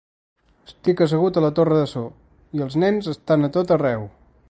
Estic assegut a la torre de so, i els nens estan a tot arreu.